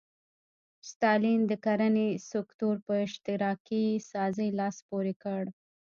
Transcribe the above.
ستالین د کرنې سکتور په اشتراکي سازۍ لاس پورې کړ.